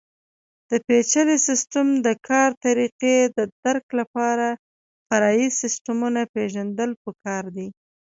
د پېچلي سیسټم د کار طریقې د درک لپاره فرعي سیسټمونه پېژندل پکار دي.